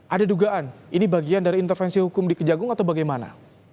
ada dugaan ini bagian dari intervensi hukum di kejagung atau bagaimana